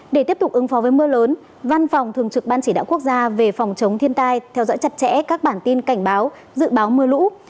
để tiếp tục ứng phó với mưa lớn văn phòng thường trực ban chỉ đạo quốc gia về phòng chống thiên tai theo dõi chặt chẽ các bản tin cảnh báo dự báo mưa lũ